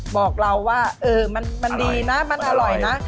บอกเราว่ามันอร่อยนะ